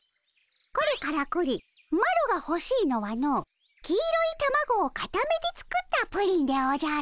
これからくりマロがほしいのはの黄色いたまごをかためて作ったプリンでおじゃる！